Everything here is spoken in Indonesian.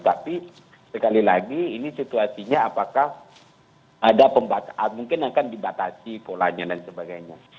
tapi sekali lagi ini situasinya apakah mungkin akan dibatasi polanya dan sebagainya